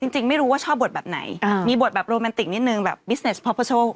จริงไม่รู้ว่าชอบบทแบบไหนมีบทแบบโรแมนติกนิดนึงแบบบิสเนสพอโชค